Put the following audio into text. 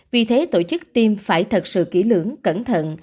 vì thế tổ chức tiêm phải thật sự kỹ lưỡng cẩn thận